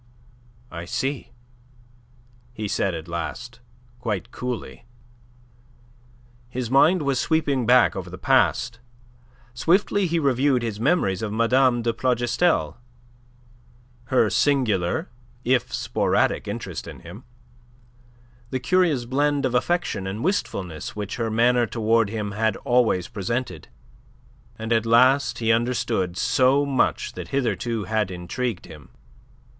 "I see," he said, at last, quite coolly. His mind was sweeping back over the past. Swiftly he reviewed his memories of Mme. de Plougastel, her singular if sporadic interest in him, the curious blend of affection and wistfulness which her manner towards him had always presented, and at last he understood so much that hitherto had intrigued him.